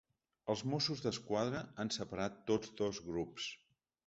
Els mossos d’esquadra han separat tots dos grups.